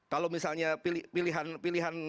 kalau misalnya pilihan